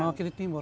iya mewakili timur